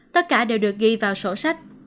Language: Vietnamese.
tất cả đều được ghi vào sổ sách